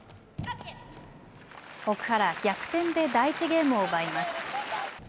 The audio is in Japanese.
奥原逆転で第１ゲームを奪います。